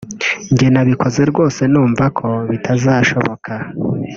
njye nabikoze rwose numva ko bitazashoboka